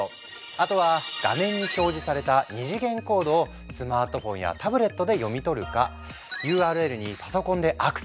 あとは画面に表示された二次元コードをスマートフォンやタブレットで読み取るかＵＲＬにパソコンでアクセス！